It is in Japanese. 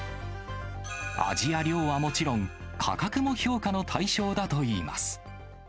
味や量はもちろん、価格も評価の対象だといいます。